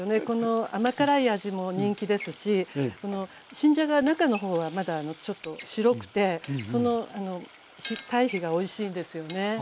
この甘辛い味も人気ですし新じゃがは中の方はまだちょっと白くてその対比がおいしいんですよね。